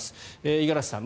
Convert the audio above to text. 五十嵐さん